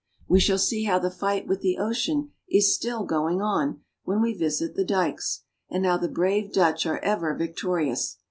We shall see how the fight with the ocean is still going on when we visit the dikes, and how the brave Dutch are ever victori ous.